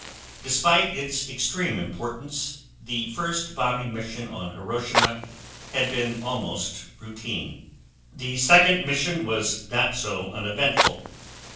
Despite its extreme importance, the first bombing mission on Hiroshima had been almost routine. The second mission was not so uneventful.